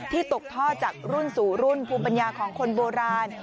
ตกท่อจากรุ่นสู่รุ่นภูมิปัญญาของคนโบราณ